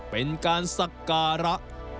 เป็นการศักรระ